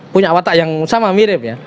punya watak yang sama mirip ya